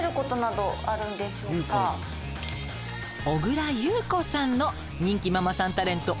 小倉優子さんの人気ママさんタレント